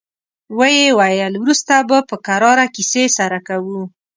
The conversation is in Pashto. ويې ويل: وروسته به په کراره کيسې سره کوو.